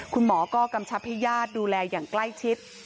คุณหมอก็กำชับให้ญาติดูแลอย่างใกล้ชิด